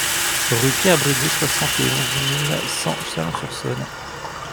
Rue Pierre Bridet, soixante et onze mille cent Chalon-sur-Saône